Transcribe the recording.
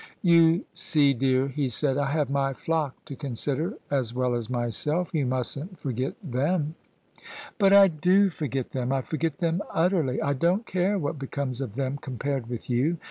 " You see, dear," he said, " I have my flock to consider as well as myself: you mustn't forget them." "But I do forget them: I forget them utterly: I don't care what becomes of them compared with you."